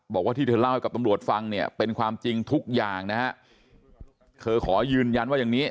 บอกว่าที่เธอเล่าให้กับตำรวจฟังเนี่ยเป็นความจริงทุกอย่างนะฮะเธอขอยืนยันว่าอย่างนี้